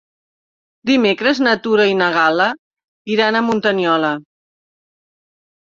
Dimecres na Tura i na Gal·la iran a Muntanyola.